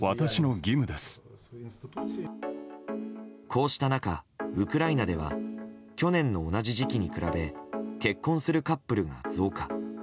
こうした中、ウクライナでは去年の同じ時期に比べ結婚するカップルが増加。